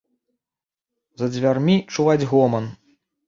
За дзвярмі чуваць гоман.